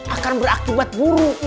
akan berakibat buruk